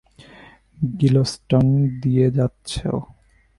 গিলস্টন দিয়ে যাচ্ছো?